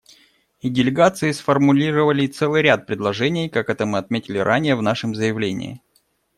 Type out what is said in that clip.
И делегации сформулировали целый ряд предложений, как это мы отметили ранее в нашем заявлении.